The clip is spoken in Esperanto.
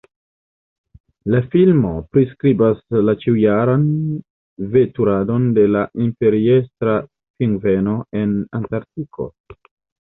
La filmo priskribas la ĉiujaran veturadon de la Imperiestra pingveno en Antarkto.